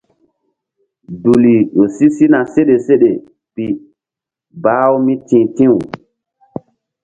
Duli ƴo si sina seɗe seɗe pi bah-u mí ti̧h ti̧w.